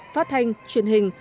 phát thanh truyền hình